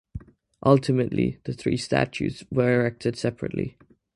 Ultimately the three statues were erected separately.